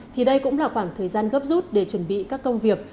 thì đây cũng là khoảng thời gian gấp rút để chuẩn bị các công việc